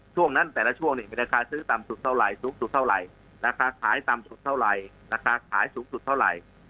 ช่วงนั้นแต่ละช่วงนี้มีราคาซื้อต่ำสุดเท่าไหร่สูงสุดเท่าไหร่ราคาขายต่ำสุดเท่าไหร่ราคาขายสูงสุดเท่าไหร่